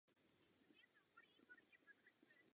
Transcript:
Divadlo Na Fidlovačce nemá žádného herce ve stálém angažmá.